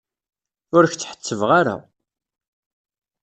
Ur k-tt-ḥettbeɣ ara.